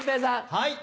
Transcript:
はい。